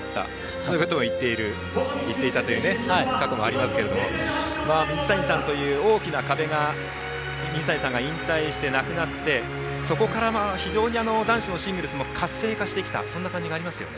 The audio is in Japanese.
そういうことも言っていたという過去もありますけれども水谷さんという大きな壁が水谷さんが引退してなくなってそこから非常に男子シングルスも活性化してきたそんな感じもありますね。